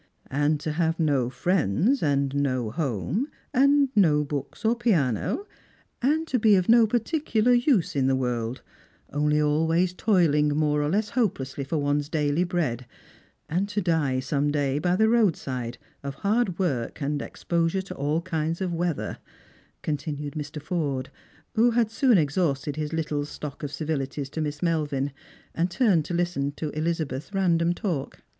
*' And to have no friends and no home, and no books or piano, and to be of no particular use in the world ; only always toiling more or less hopelessly for one's daily bread : and to die some day by the roadside, of hard work and exposure to all kinds of weather," continued Mr. Forde, who had soon exhausted his little stock of civihties to Miss Melvin, and turned to listen to Elizabeth's random talk.